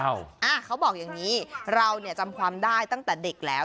เขาบอกอย่างนี้เราเนี่ยจำความได้ตั้งแต่เด็กแล้ว